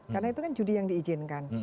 karena itu kan judi yang diizinkan